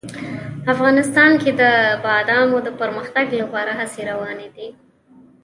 افغانستان کې د بادامو د پرمختګ لپاره هڅې روانې دي.